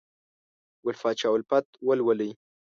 ګل پاچا الفت ولولئ!